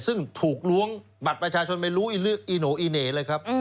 ซึ่งถูกล้วงบัตรประชาชนไม่รู้อีโนอีเหน่เลยครับ